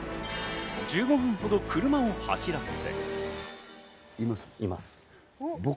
１５分ほど車を走らせ。